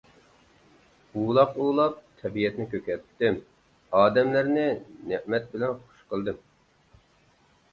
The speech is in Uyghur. ئۇلاق ئۇلاپ تەبىئەتنى كۆكەرتتىم. ئادەملەرنى نىمەت بىلەن خۇش قىلدىم.